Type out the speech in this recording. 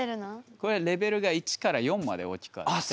これレベルが１４まで大きくあって。